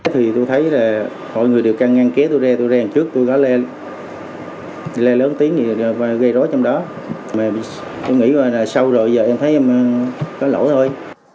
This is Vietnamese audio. tôi thấy là mọi người đều căng ngang kế tôi ra tôi ra trước tôi có lê lớn tiếng và gây rối trong đó tôi nghĩ là sao rồi giờ em thấy em có lỗi thôi